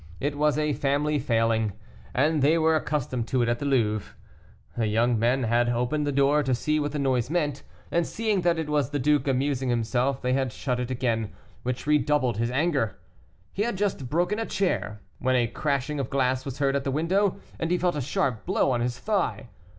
It was a family failing, and they were accustomed to it at the Louvre. The young men had opened the door to see what the noise meant, and seeing that it was the duke amusing himself, they had shut it again, which redoubled his anger. He had just broken a chair, when a crashing of glass was heard at the window, and he felt a sharp blow on his thigh.